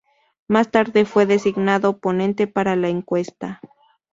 Más tarde fue designado ponente para la encuesta.